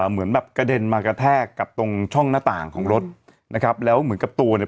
เหมือนแบบกระเด็นมากระแทกกับตรงช่องหน้าต่างของรถนะครับแล้วเหมือนกับตัวเนี่ย